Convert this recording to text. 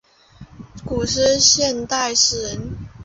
中国现代诗人。